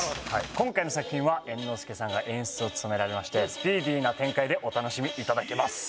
今回の作品は猿之助さんが演出を務められましてスピーディーな展開でお楽しみいただけます